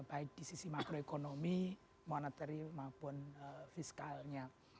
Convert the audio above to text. dari sisi makroekonomi monetary maupun fiskalnya